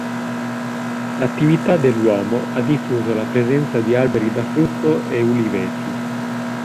L’attività dell’uomo ha diffuso la presenza di alberi da frutto e uliveti.